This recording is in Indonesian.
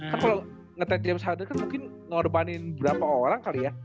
kan kalo nge threat james hudden kan mungkin ngeorbanin berapa orang kali ya